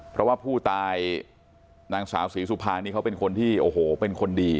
เพราะว่าผู้ตายนางสาวศรีสุภานี่เขาเป็นคนที่โอ้โหเป็นคนดี